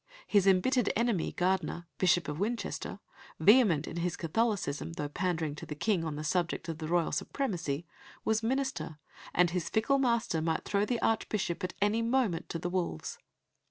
His embittered enemy, Gardiner, Bishop of Winchester, vehement in his Catholicism though pandering to the King on the subject of the royal supremacy, was minister; and his fickle master might throw the Archbishop at any moment to the wolves.